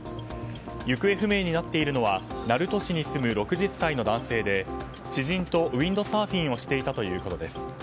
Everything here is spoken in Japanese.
行方不明になっているのは鳴門市に住む６０歳の男性で知人とウィンドサーフィンをしていたということです。